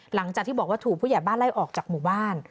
หลังจากที่บอกว่าถูกผู้ใหญ่บ้านไล่ออกจากหมู่บ้าน